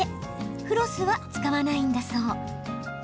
フロスは使わないんだそう。